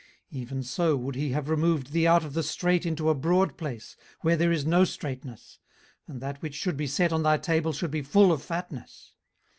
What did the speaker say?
18:036:016 Even so would he have removed thee out of the strait into a broad place, where there is no straitness; and that which should be set on thy table should be full of fatness.